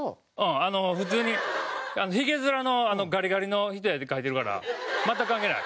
普通にひげ面のガリガリの人やって書いてるから全く関係ない。